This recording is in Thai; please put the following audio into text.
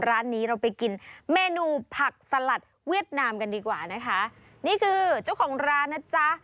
ร้านนี้เราไปกินเมนูผักสลัดเวียดนามกันดีกว่านะคะนี่คือเจ้าของร้านนะจ๊ะ